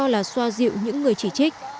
là xoa dịu những người chỉ trích